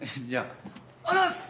おはようございます！